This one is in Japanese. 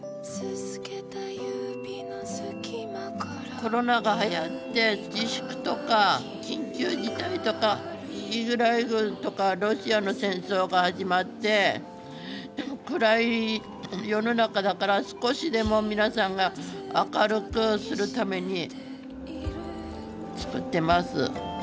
コロナがはやって自粛とか緊急事態とかロシアの戦争が始まって暗い世の中だから少しでも皆さんが明るくするために作ってます。